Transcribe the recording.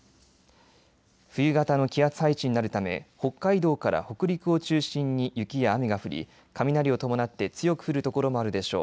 冬型の気圧配置になるため北海道から北陸を中心に雪や雨が降り、雷を伴って強く降る所もあるでしょう。